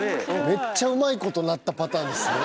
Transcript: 「めっちゃうまい事なったパターンですね」